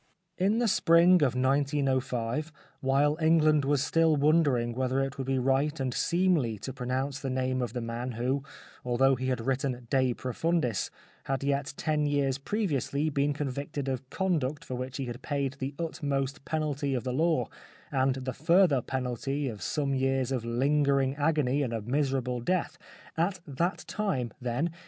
In the spring of 1905 175 The Life of Oscar Wilde while England was still wondering whether it would be right and seemly to pronounce the name of the man who, although he had written " De Profundis," had yet ten years previously been convicted of conduct for which he had paid the utmost penalty of the law and the further penalty of some years of lingering agony and a miserable death, at that time, then.